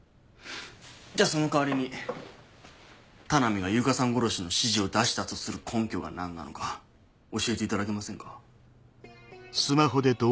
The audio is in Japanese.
じゃあその代わりに田波が悠香さん殺しの指示を出したとする根拠が何なのか教えていただけませんか？